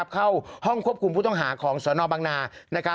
เข้าห้องควบคุมผู้ต้องหาของสนบังนา